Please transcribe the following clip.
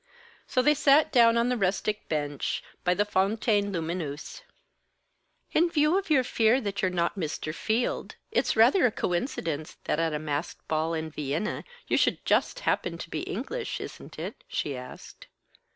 So they sat down on the rustic bench, by the fontaine lumineuse. "In view of your fear that you're not Mr. Field, it's rather a coincidence that at a masked ball in Vienna you should just happen to be English, isn't it?" she asked.